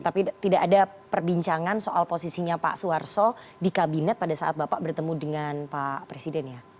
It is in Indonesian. tapi tidak ada perbincangan soal posisinya pak suharto di kabinet pada saat bapak bertemu dengan pak presiden ya